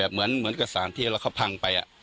เหมือนกระสานที่เขาพังไป